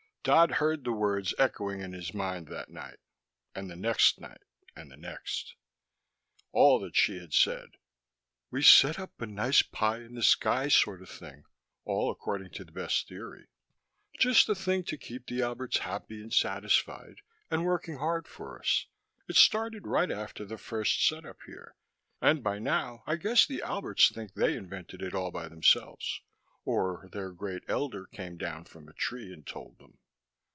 Dodd heard the words echoing in his mind that night, and the next night, and the next. All that she had said: "We set up a nice pie in the sky sort of thing, all according to the best theory, just the thing to keep the Alberts happy and satisfied and working hard for us. It started right after the first setup here, and by now I guess the Alberts think they invented it all by themselves, or their Great Elder came down from a tree and told them."